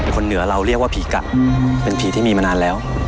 เหนือเราเรียกว่าผีกะเป็นผีที่มีมานานแล้ว